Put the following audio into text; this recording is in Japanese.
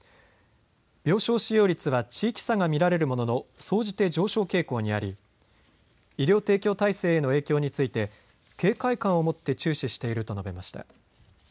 病床使用率は地域差が見られるものの総じて上昇傾向にあり医療提供体制への影響について警戒感を持って注視していると述べました。